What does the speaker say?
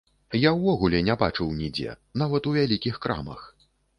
Я ўвогуле не бачыў нідзе, нават ў вялікіх крамах!